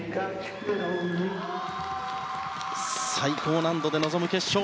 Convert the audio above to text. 最高難度で臨む決勝。